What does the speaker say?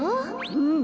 うん。